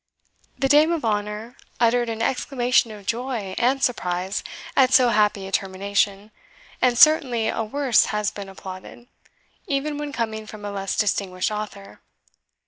The dame of honour uttered an exclamation of joy and surprise at so happy a termination; and certainly a worse has been applauded, even when coming from a less distinguished author.